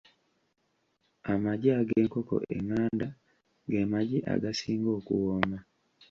Amagi ag'enkoko enganda ge magi agasinga okuwooma.